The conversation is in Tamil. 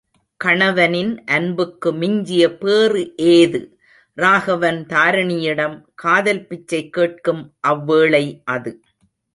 கணவனின் அன்புக்கு மிஞ்சிய பேறு ஏது? ராகவன் தாரிணியிடம் காதல்பிச்சை கேட்கும் அவ வேளை அது.